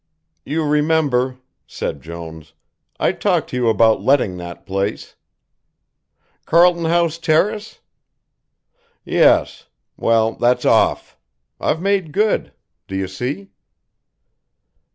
"You remember," said Jones, "I talked to you about letting that place." "Carlton House Terrace?" "Yes well, that's off. I've made good. Do you see?"